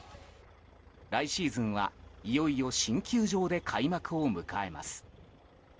来シーズンは、いよいよ新球場で開幕を迎えます。